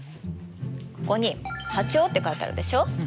ここに「波長」って書いてあるでしょう。